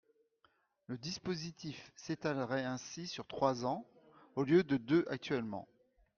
Le dispositif s’étalerait ainsi sur trois ans, au lieu de deux actuellement.